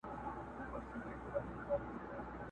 ته هغه یې چي په پاڼود تاریخ کي مي لوستلې،